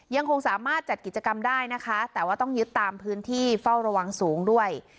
ยังคงสามารถจัดกิจกรรมได้นะคะแต่ว่าต้องยึดตามพื้นที่เฝ้าระวังสูงด้วย